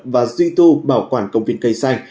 và duy trì bảo quản công viên cây xanh